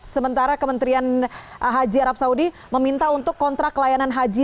sementara kementerian haji arab saudi meminta untuk kontrak layanan haji